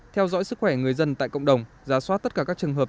theo dõi sức khỏe người dân tại cộng đồng giả soát tất cả các trường hợp